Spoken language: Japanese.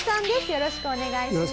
よろしくお願いします。